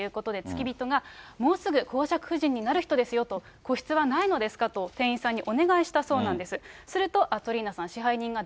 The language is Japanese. お店に行ったところ、個室がなかったということで、付き人が、もうすぐ公爵夫人になる人ですよと、個室はないのですか？と店員さんにお願いしたそうなんです。